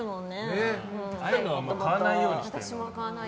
ああいうのは買わないようにしてる。